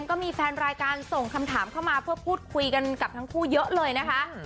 ก็มีแฟนรายการส่งคำถามเข้ามาเพื่อพูดคุยกันกับทั้งคู่เยอะเลยนะคะ